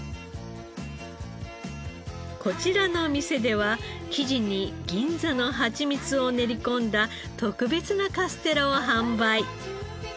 こちらの店では生地に銀座のハチミツを練り込んだ特別なカステラを販売。